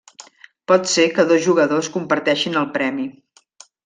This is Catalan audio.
Pot ser que dos jugadors comparteixin el premi.